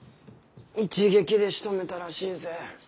一撃でしとめたらしいぜ。